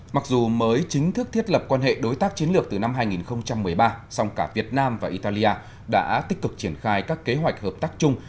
mặc dù mới chính thức thiết lập quan hệ đối tác chiến lược từ năm hai nghìn một mươi ba song cả việt nam và italia đã tích cực triển khai các kế hoạch hợp tác chung